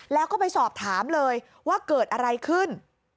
แล้วก็ไปสอบถามเลยว่าเกิดอะไรขึ้น